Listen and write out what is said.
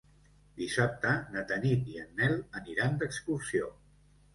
Dissabte na Tanit i en Nel aniran d'excursió.